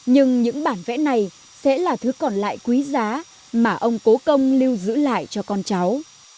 nhưng những bản vẽ này sẽ là thứ còn lại quý giá mà ông cố công lưu giữ lại cho con cháu